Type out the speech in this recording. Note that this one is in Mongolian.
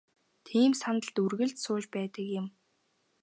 Тийм сандалд үргэлж сууж байдаг юм.